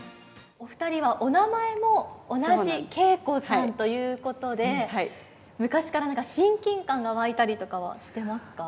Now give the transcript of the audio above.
お２人はお名前も同じけいこさんということで、昔から親近感が湧いたりとかはしてますか？